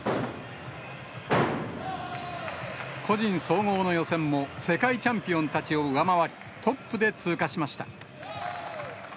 個人総合の予選も、世界チャンピオンたちを上回り、トップで通過しました。